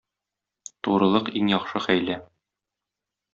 Турылык иң яхшы хәйлә.